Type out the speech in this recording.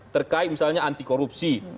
terkait misalnya anti korupsi